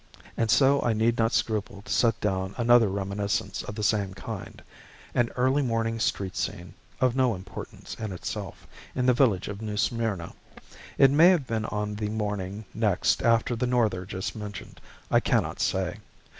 And so I need not scruple to set down another reminiscence of the same kind, an early morning street scene, of no importance in itself, in the village of New Smyrna. It may have been on the morning next after the "norther" just mentioned. I cannot say.